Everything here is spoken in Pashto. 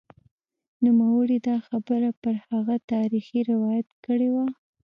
نوموړي دا خبره پر هغه تاریخي روایت کړې وه